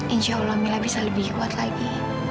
insya allah mila bisa lebih kuat lagi